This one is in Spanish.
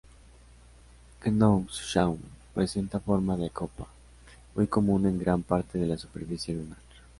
Knox-Shaw presenta forma de copa, muy común en gran parte de la superficie lunar.